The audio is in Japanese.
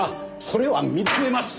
それは認めます！